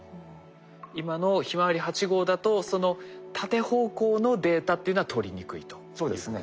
今のひまわり８号だとその縦方向のデータっていうのは取りにくいということですね。